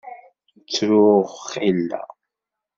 Ttruɣ xilla.